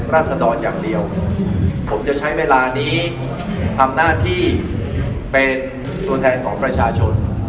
ราศดรอย่างเดียวผมจะใช้เวลานี้ทำหน้าที่เป็นตัวแทนของประชาชน